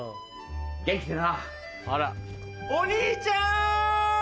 元気でな。お兄ちゃん！